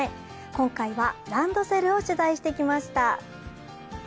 今回は、ランドセルを取材してきました。